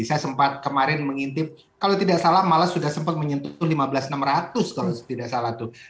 saya sempat kemarin mengintip kalau tidak salah malah sudah sempat menyentuh lima belas enam ratus kalau tidak salah tuh